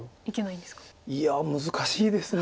いや難しいです。